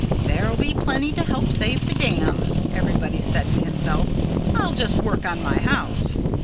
"There'll be plenty to help save the dam," everybody said to himself. "I'll just work on my house."